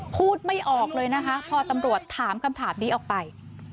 พูดไม่ออกเลยนะคะพอตำรวจถามคำถามนี้ออกไป